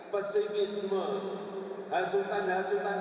pesimisme hasutan hasutan kebencian hasutan hasutan kena